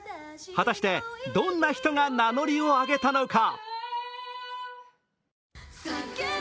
果たして、どんな人が名乗りを上げたのか？